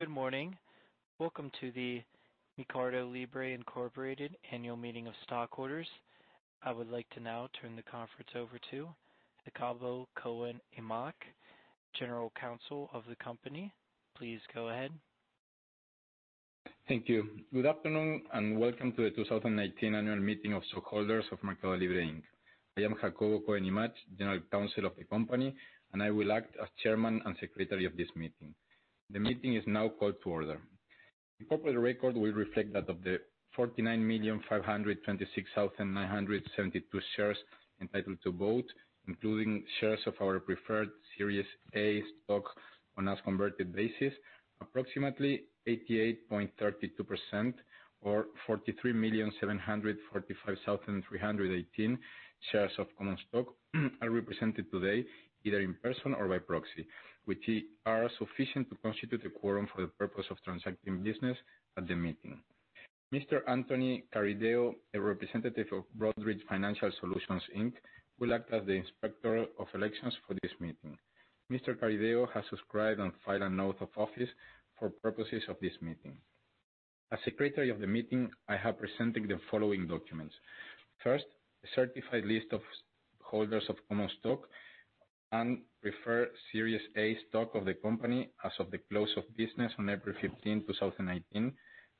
Good morning. Welcome to the MercadoLibre Incorporated annual meeting of stockholders. I would like to now turn the conference over to Jacobo Cohen Imach, general counsel of the company. Please go ahead. Thank you. Good afternoon, welcome to the 2019 annual meeting of stockholders of MercadoLibre, Inc. I am Jacobo Cohen Imach, general counsel of the company, and I will act as chairman and secretary of this meeting. The meeting is now called to order. The corporate record will reflect that of the 49,526,972 shares entitled to vote, including shares of our preferred Series A stock on as converted basis, approximately 88.32% or 43,745,318 shares of common stock are represented today, either in person or by proxy, which are sufficient to constitute a quorum for the purpose of transacting business at the meeting. Mr. Anthony Carideo, a representative of Broadridge Financial Solutions, Inc., will act as the inspector of elections for this meeting. Mr. Carideo has subscribed and filed an oath of office for purposes of this meeting. As secretary of the meeting, I have presented the following documents. First, a certified list of holders of common stock and preferred Series A stock of the company as of the close of business on April 15, 2019,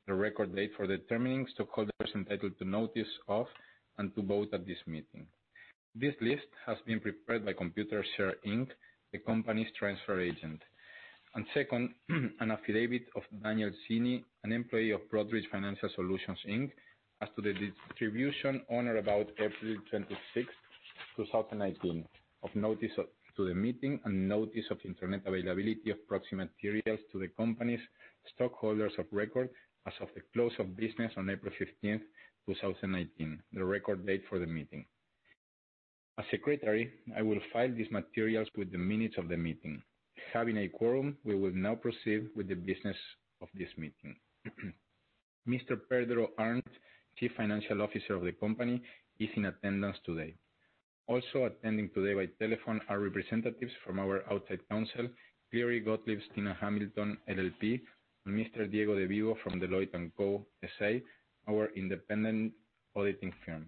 the record date for determining stockholders entitled to notice of and to vote at this meeting. This list has been prepared by Computershare Inc., the company's transfer agent. Second, an affidavit of Daniel Cini, an employee of Broadridge Financial Solutions, Inc., as to the distribution on or about April 26, 2019, of notice to the meeting and notice of internet availability of proxy materials to the company's stockholders of record as of the close of business on April 15, 2019, the record date for the meeting. As secretary, I will file these materials with the minutes of the meeting. Having a quorum, we will now proceed with the business of this meeting. Mr. Pedro Arnt, Chief Financial Officer of the company, is in attendance today. Also attending today by telephone are representatives from our outside counsel, Cleary Gottlieb Steen & Hamilton LLP, Mr. Diego de Vivo from Deloitte & Co. S.A., our independent auditing firm.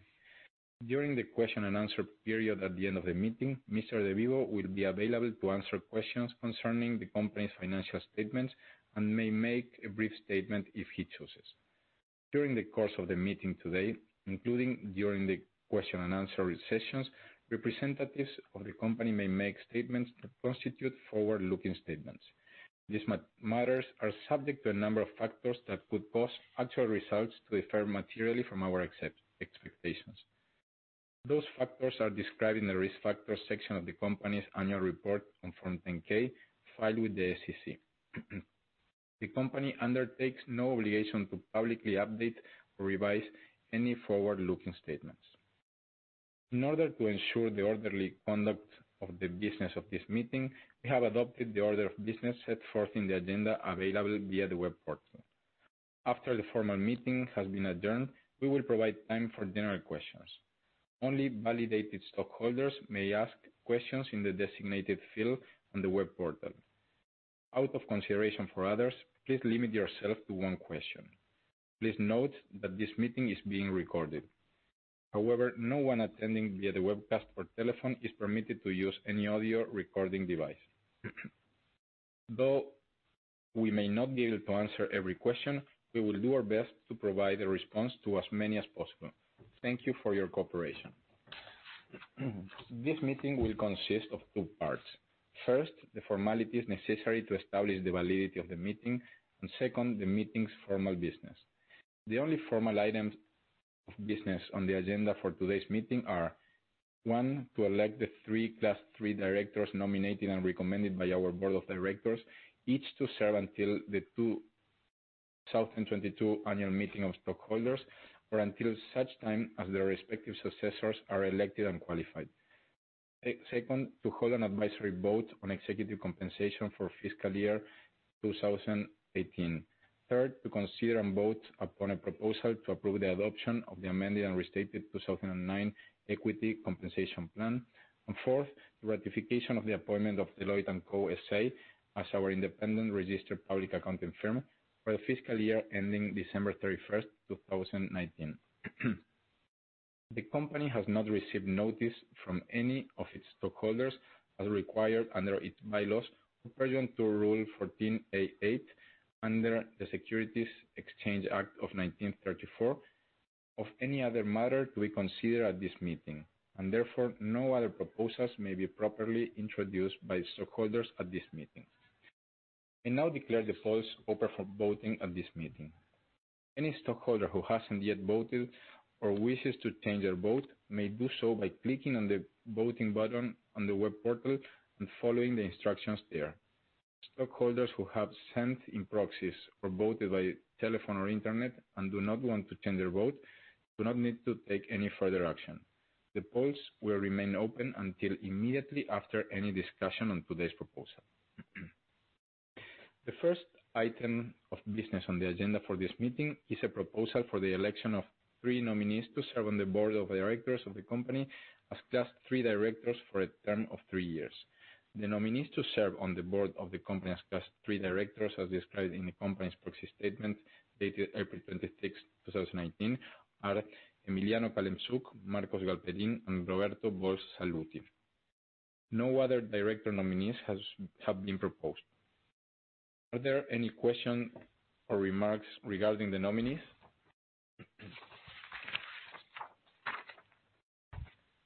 During the question and answer period at the end of the meeting, Mr. de Vivo will be available to answer questions concerning the company's financial statements and may make a brief statement if he chooses. During the course of the meeting today, including during the question and answer sessions, representatives of the company may make statements that constitute forward-looking statements. These matters are subject to a number of factors that could cause actual results to differ materially from our expectations. Those factors are described in the Risk Factors section of the company's annual report on Form 10-K filed with the SEC. The company undertakes no obligation to publicly update or revise any forward-looking statements. In order to ensure the orderly conduct of the business of this meeting, we have adopted the order of business set forth in the agenda available via the web portal. After the formal meeting has been adjourned, we will provide time for general questions. Only validated stockholders may ask questions in the designated field on the web portal. Out of consideration for others, please limit yourself to one question. Please note that this meeting is being recorded. However, no one attending via the webcast or telephone is permitted to use any audio recording device. Though we may not be able to answer every question, we will do our best to provide a response to as many as possible. Thank you for your cooperation. This meeting will consist of two parts. First, the formalities necessary to establish the validity of the meeting, Second, the meeting's formal business. The only formal items of business on the agenda for today's meeting are, one, to elect the three Class 3 directors nominated and recommended by our board of directors, each to serve until the 2022 annual meeting of stockholders, or until such time as their respective successors are elected and qualified. Second, to hold an advisory vote on executive compensation for fiscal year 2018. Third, to consider and vote upon a proposal to approve the adoption of the amended and restated 2009 Equity Compensation Plan. Fourth, the ratification of the appointment of Deloitte & Co. S.A. as our independent registered public accounting firm for the fiscal year ending December 31st, 2019. The company has not received notice from any of its stockholders, as required under its bylaws pursuant to Rule 14a-8 under the Securities Exchange Act of 1934, of any other matter to be considered at this meeting. Therefore, no other proposals may be properly introduced by stockholders at this meeting. I now declare the polls open for voting at this meeting. Any stockholder who hasn't yet voted or wishes to change their vote may do so by clicking on the voting button on the web portal and following the instructions there. Stockholders who have sent in proxies or voted by telephone or internet and do not want to change their vote do not need to take any further action. The polls will remain open until immediately after any discussion on today's proposal. The first item of business on the agenda for this meeting is a proposal for the election of three nominees to serve on the board of directors of the company as Class III directors for a term of three years. The nominees to serve on the board of the company as Class III directors, as described in the company's proxy statement dated April 26th, 2019, are Emiliano Calemzuk, Marcos Galperin, and Roberto Sallouti. No other director nominees have been proposed. Are there any questions or remarks regarding the nominees?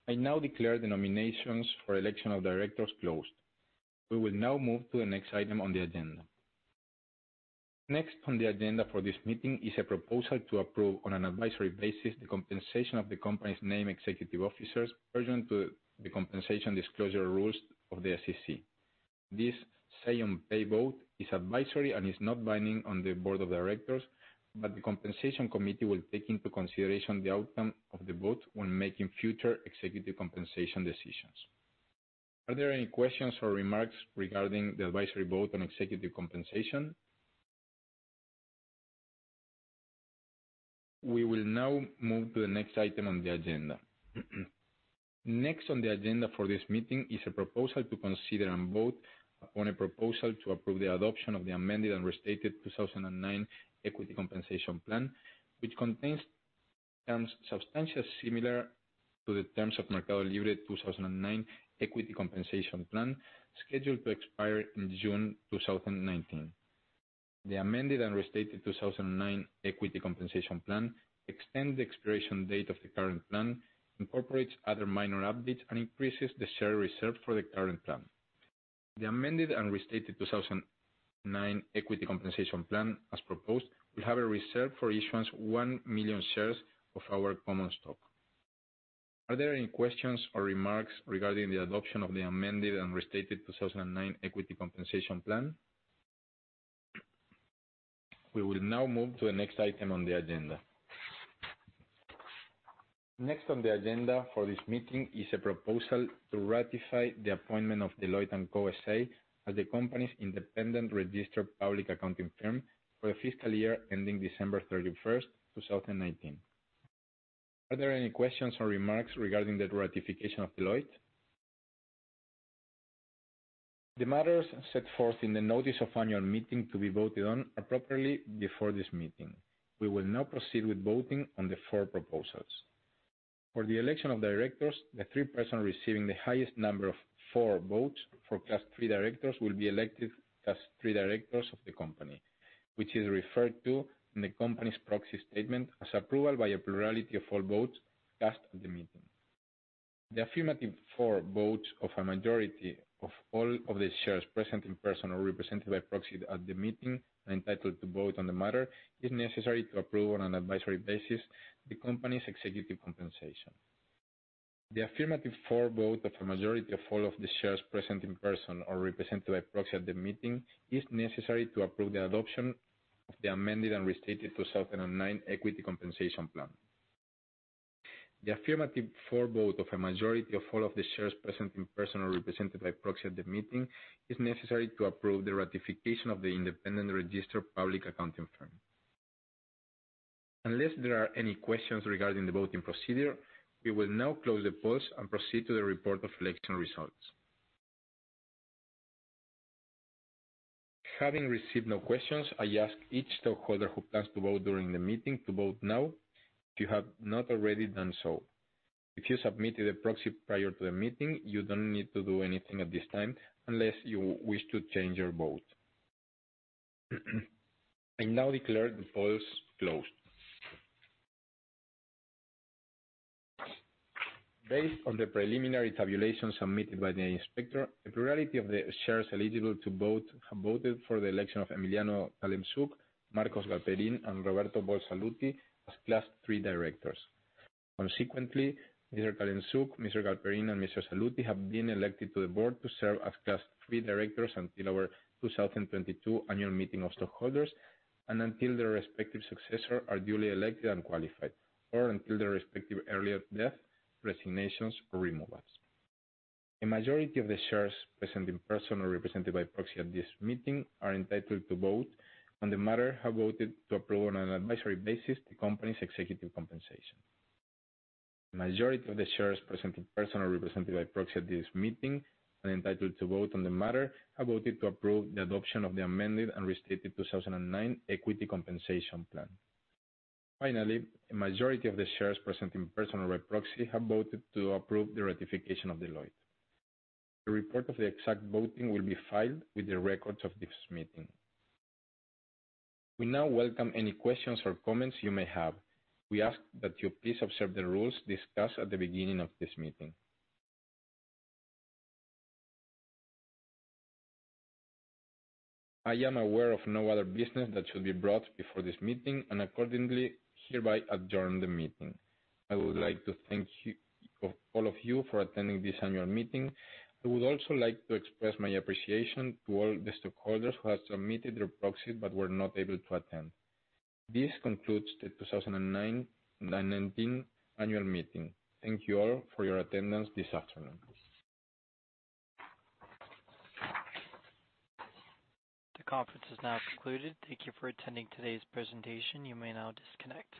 I now declare the nominations for election of directors closed. We will now move to the next item on the agenda. Next on the agenda for this meeting is a proposal to approve, on an advisory basis, the compensation of the company's named executive officers pursuant to the compensation disclosure rules of the SEC. This say-on-pay vote is advisory and is not binding on the board of directors, but the compensation committee will take into consideration the outcome of the vote when making future executive compensation decisions. Are there any questions or remarks regarding the advisory vote on executive compensation? We will now move to the next item on the agenda. Next on the agenda for this meeting is a proposal to consider and vote upon a proposal to approve the adoption of the amended and restated 2009 equity compensation plan, which contains terms substantially similar to the terms of MercadoLibre 2009 equity compensation plan, scheduled to expire in June 2019. The amended and restated 2009 equity compensation plan extends the expiration date of the current plan, incorporates other minor updates, and increases the share reserved for the current plan. The amended and restated 2009 equity compensation plan, as proposed, will have a reserve for issuance 1 million shares of our common stock. Are there any questions or remarks regarding the adoption of the amended and restated 2009 equity compensation plan? We will now move to the next item on the agenda. Next on the agenda for this meeting is a proposal to ratify the appointment of Deloitte & Co. S.A. as the company's independent registered public accounting firm for the fiscal year ending December 31st, 2019. Are there any questions or remarks regarding the ratification of Deloitte? The matters set forth in the notice of annual meeting to be voted on are properly before this meeting. We will now proceed with voting on the four proposals. For the election of directors, the three persons receiving the highest number of for votes for Class III directors will be elected as Class III directors of the company, which is referred to in the company's proxy statement as approval by a plurality of all votes cast at the meeting. The affirmative for votes of a majority of all of the shares present in person or represented by proxy at the meeting and entitled to vote on the matter is necessary to approve, on an advisory basis, the company's executive compensation. The affirmative for vote of a majority of all of the shares present in person or represented by proxy at the meeting is necessary to approve the adoption of the amended and restated 2009 equity compensation plan. The affirmative for vote of a majority of all of the shares present in person or represented by proxy at the meeting is necessary to approve the ratification of the independent registered public accounting firm. Unless there are any questions regarding the voting procedure, we will now close the polls and proceed to the report of election results. Having received no questions, I ask each stockholder who plans to vote during the meeting to vote now if you have not already done so. If you submitted a proxy prior to the meeting, you don't need to do anything at this time unless you wish to change your vote. I now declare the polls closed. Based on the preliminary tabulation submitted by the inspector, a plurality of the shares eligible to vote voted for the election of Emiliano Calemzuk, Marcos Galperin, and Roberto Sallouti as Class III directors. Consequently, Mr. Calemzuk, Mr. Galperin, and Mr. Sallouti have been elected to the board to serve as Class III directors until our 2022 annual meeting of stockholders and until their respective successors are duly elected and qualified, or until their respective earlier death, resignations, or removals. A majority of the shares present in person or represented by proxy at this meeting are entitled to vote on the matter have voted to approve on an advisory basis the company's executive compensation. A majority of the shares present in person or represented by proxy at this meeting and entitled to vote on the matter have voted to approve the adoption of the amended and restated 2009 equity compensation plan. Finally, a majority of the shares present in person or by proxy have voted to approve the ratification of Deloitte. A report of the exact voting will be filed with the records of this meeting. We now welcome any questions or comments you may have. We ask that you please observe the rules discussed at the beginning of this meeting. I am aware of no other business that should be brought before this meeting, and accordingly, hereby adjourn the meeting. I would like to thank all of you for attending this annual meeting. I would also like to express my appreciation to all the stockholders who have submitted their proxy but were not able to attend. This concludes the 2019 annual meeting. Thank you all for your attendance this afternoon. The conference is now concluded. Thank you for attending today's presentation. You may now disconnect.